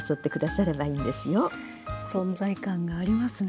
存在感がありますね。